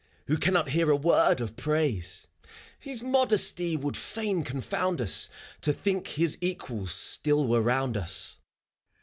Who cannot hear a word of praise; His modesty would fain confound us To think his equals still were round us.